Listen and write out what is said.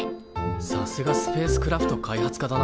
さすがスペースクラフト開発科だな。